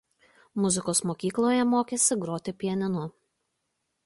Muzikos mokykloje mokėsi groti pianinu.